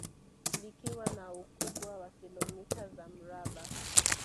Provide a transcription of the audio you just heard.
Likiwa na ukubwa wa kilomita za mraba